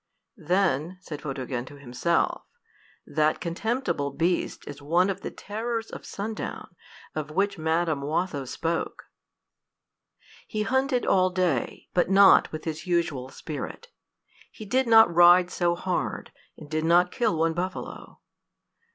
"Then," said Photogen to himself, "that contemptible beast is one of the terrors of sundown, of which Madam Watho spoke." He hunted all day, but not with his usual spirit. He did not ride so hard, and did not kill one buffalo.